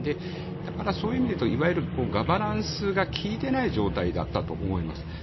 だから、そういう意味で言うといわゆるガバナンスが利いていない状態だったと思います。